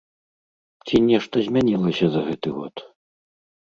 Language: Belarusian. Ці нешта змянілася за гэты год?